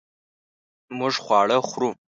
مونږ خواړه خورو